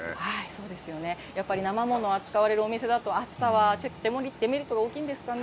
そうですよね、やっぱり生ものを扱われるお店だと、暑さはデメリットが大きいんですかね。